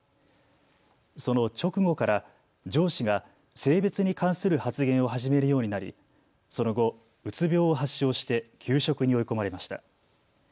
その直後から上司が性別に関する発言を始めるようになり、その後うつ病を発症して休職に追い込まれました。